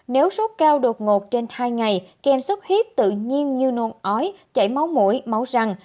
nếu sốt cao đột ngột trên hai ngày kèm sốt hit tự nhiên như nôn ói chảy máu mũi máu răng